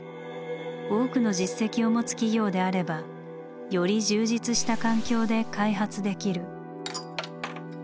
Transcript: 多くの実績を持つ企業であればより充実した環境で開発できる。